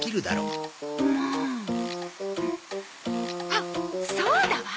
あっそうだわ！